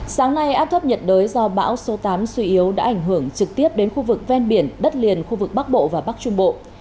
sáng nay áp thấp nhiệt đới do bão số tám suy yếu đã ảnh hưởng trực tiếp đến khu vực ven biển đất liền khu vực bắc bộ và bắc trung bộ